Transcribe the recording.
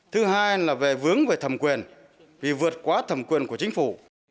thứ hai là về vướng về thẩm quyền vì vượt quá thẩm quyền của chính phủ